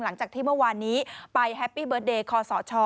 หลังจากที่เมื่อวานนี้ไปแฮปปี้เบิร์ตเดย์คอสช